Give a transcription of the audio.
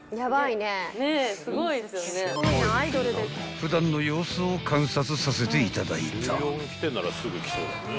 ［普段の様子を観察させていただいた］